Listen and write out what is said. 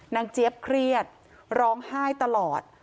เจี๊ยบเครียดร้องไห้ตลอด